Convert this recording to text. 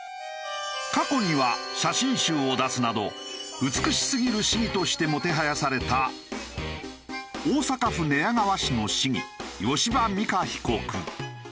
過去には写真集を出すなど美しすぎる市議としてもてはやされた大阪府寝屋川市の市議吉羽美華被告。